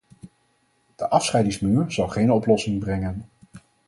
De afscheidingsmuur zal geen oplossing brengen.